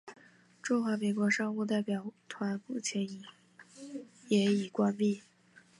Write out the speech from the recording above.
中华民国商务代表团目前也已关闭。